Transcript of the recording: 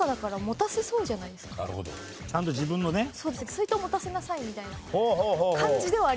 水筒持たせなさいみたいな感じではありました。